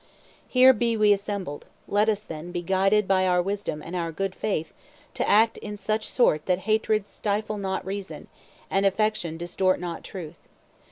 Here be we assembled: let us, then, be guided by our wisdom and our good faith to act in such sort that hatred stifle not reason, and affection distort not truth.